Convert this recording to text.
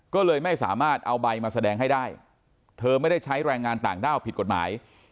ก็เลยไม่สามารถเอาใบมาแสดงให้ได้เธอไม่ได้ใช้แรงงานต่างด้าวผิดกฎหมาย